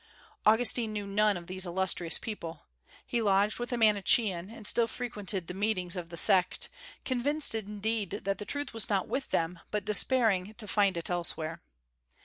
Augustine knew none of these illustrious people. He lodged with a Manichean, and still frequented the meetings of the sect; convinced, indeed, that the truth was not with them, but despairing to find it elsewhere.